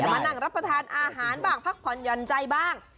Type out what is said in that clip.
มานั่งรับประทานอาหารบ้างพักผ่อนหย่อนใจบ้าง